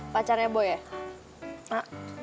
pacarnya boy ya